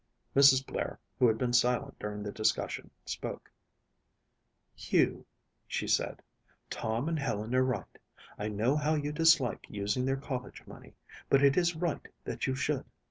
Mrs. Blair, who had been silent during the discussion, spoke. "Hugh," she said, "Tom and Helen are right. I know how you dislike using their college money, but it is right that you should.